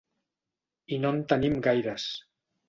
I no en tenim gaires.